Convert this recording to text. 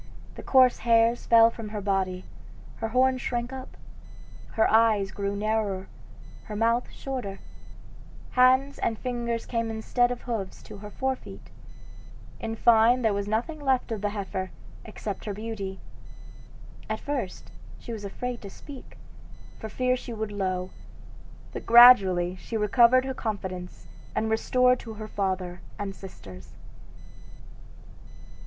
The coarse hairs fell from her body, her horns shrank up, her eyes grew narrower, her mouth shorter; hands and fingers came instead of hoofs to her forefeet; in fine there was nothing left of the heifer, except her beauty. At first she was afraid to speak, for fear she should low, but gradually she recovered her confidence and was restored to her father and sisters.